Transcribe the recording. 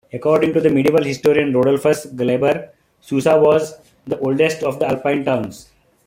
According to the medieval historian Rodulfus Glaber, Susa was "the oldest of Alpine towns".